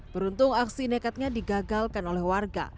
beruntung aksi nekatnya digagalkan oleh warga